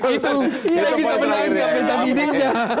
itu dia bisa menangkap meta mining